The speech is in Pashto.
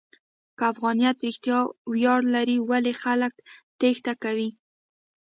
که افغانیت رښتیا ویاړ لري، ولې خلک تېښته کوي؟